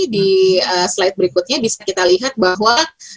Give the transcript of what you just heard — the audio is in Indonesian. di slide berikutnya bisa kita lihat bahwa